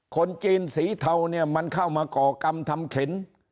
คนจีนสีเทาเนี่ยมันเข้ามาก่อกรรมทำเข็น